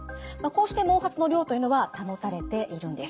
こうして毛髪の量というのは保たれているんです。